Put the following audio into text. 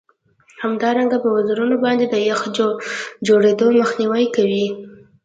همدارنګه په وزرونو باندې د یخ د جوړیدو مخنیوی کوي